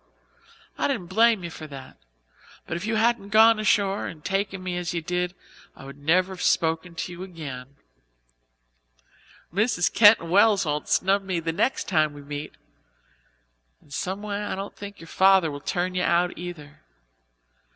I didn't blame you for that, but if you hadn't gone ashore and taken me as you did I would never have spoken to you again. Mrs. Keyton Wells won't snub me next time we meet. And some way I don't think your father will turn you out, either.